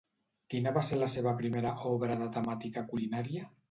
Quina va ser la seva primera obra de temàtica culinària?